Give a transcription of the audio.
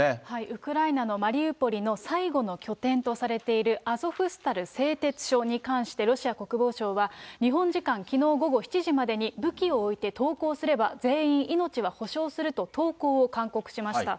ウクライナのマリウポリの最後の拠点とされているアゾフスタル製鉄所に関して、ロシア国防省は、日本時間きのう午後７時までに武器を置いて投降すれば、全員命は保証すると投降を勧告しました。